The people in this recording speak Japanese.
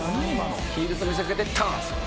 「ヒールと見せかけてターンです」